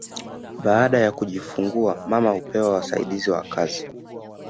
Baada ya kujifungua mama hupewa wasaidizi wa kazi